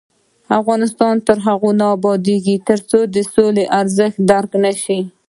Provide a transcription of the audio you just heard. افغانستان تر هغو نه ابادیږي، ترڅو د سولې ارزښت درک نشي.